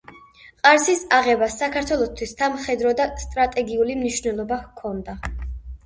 ყარსის აღებას საქართველოსთვის სამხედრო და სტრატეგიული მნიშვნელობა ჰქონდა.